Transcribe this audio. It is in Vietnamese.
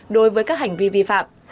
đối với các hành vi vi phạm